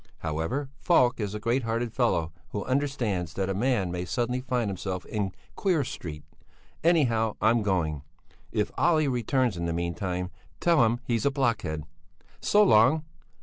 However, Falk is a great hearted fellow who understands that a man may suddenly find himself in Queer Street. Anyhow, I'm going. If Olle returns in the meantime, tell him he's a blockhead. So long!